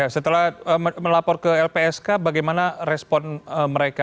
setelah melapor ke lpsk bagaimana respon mereka